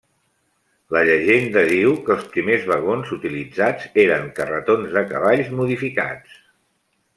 La llegenda diu que els primers vagons utilitzats eren carretons de cavalls modificats.